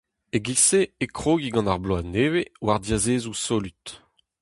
E-giz-se e krogi gant ar bloaz nevez war diazezoù solut.